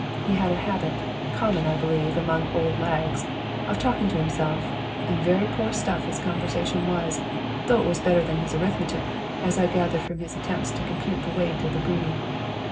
He had a habit common, I believe, among 'old lags' of talking to himself; and very poor stuff his conversation was, though it was better than his arithmetic, as I gathered from his attempts to compute the weight of the booty.